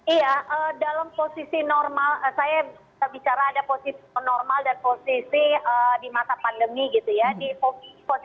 iya dalam posisi normal saya bicara ada posisi normal dan posisi di masa pandemi gitu ya